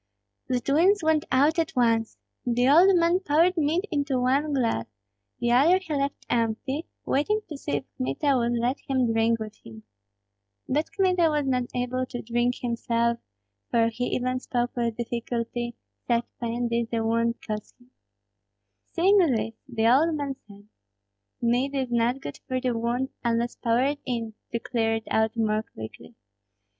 The twins went out at once. The old man poured mead into one glass; the other he left empty, waiting to see if Kmita would let him drink with him. But Kmita was not able to drink himself, for he even spoke with difficulty, such pain did the wound cause him. Seeing this, the old man said, "Mead is not good for the wound, unless poured in, to clear it out more quickly.